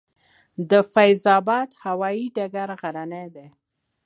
د فیض اباد هوايي ډګر غرنی دی